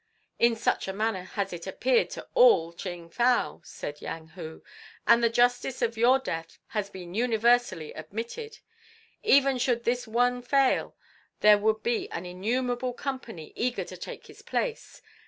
"In such a manner has it appeared to all Ching fow," said Yang Hu; "and the justice of your death has been universally admitted. Even should this one fail there would be an innumerable company eager to take his place.